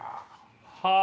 はあ！